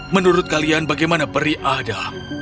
menurut kalian bagaimana peri ada